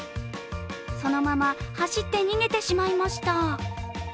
そのまま走って逃げてしまいました。